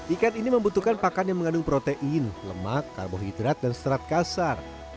ikat ini membutuhkan pakan yang mengandung protein lemak karbohidrat dan serat kasar